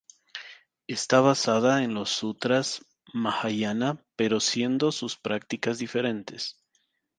Está basada en los sutras Mahāyāna pero siendo sus prácticas diferentes.